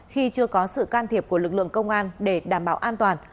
khi chưa có sự can thiệp của lực lượng công an để đảm bảo an toàn